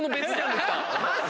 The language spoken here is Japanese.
マジ？